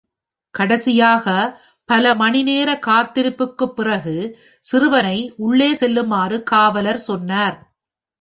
கடைசியாக, பல மணிநேர காத்திருப்புக்குப் பிறகு, சிறுவனை உள்ளே செல்லுமாறு காவலர் சொன்னார்.